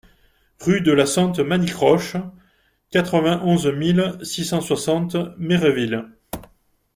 Rue de la Sente Manicroche, quatre-vingt-onze mille six cent soixante Méréville